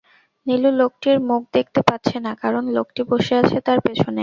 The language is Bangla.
নীলু লোকটির মুখ দেখতে পাচ্ছে না, কারণ লোকটি বসে আছে তার পেছনে।